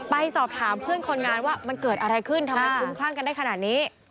ไปสอบถามเพื่อนคนงานว่ามันเกิดอะไรขึ้นทำไมคุ้มคลั่งกันได้ขนาดนี้